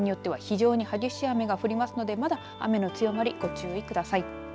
場合によっては非常に激しい雨が降りますのでまだ雨の強まりご注意ください。